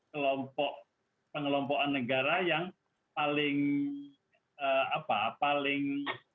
kelompok pengelompokan negara yang paling apa paling